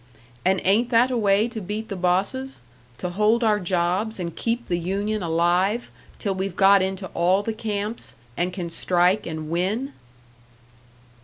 And ain't that a way to beat the bosses to hold our jobs, and keep the union alive, till we've got into all the camps, and can strike and win?"